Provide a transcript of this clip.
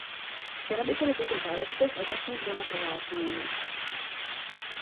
Chtěla by tedy tuto záležitost objasnit dvěma prohlášeními.